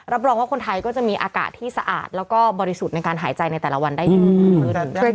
รองว่าคนไทยก็จะมีอากาศที่สะอาดแล้วก็บริสุทธิ์ในการหายใจในแต่ละวันได้ดี